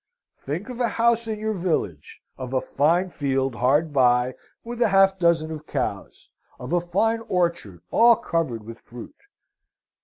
"'Think of a house in your village, of a fine field hard by with a half dozen of cows of a fine orchard all covered with fruit.'